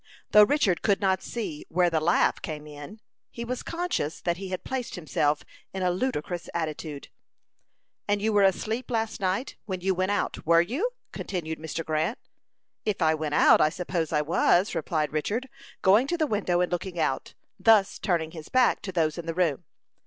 Though Richard could not see "where the laugh came in," he was conscious that he had placed himself in a ludicrous attitude. "And you were asleep last night when you went out were you?" continued Mr. Grant. "If I went out, I suppose I was," replied Richard, going to the window and looking out, thus turning his back to those in the room.